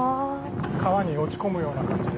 川に落ち込むような感じで。